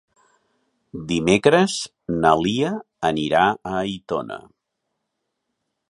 Dimecres na Lia anirà a Aitona.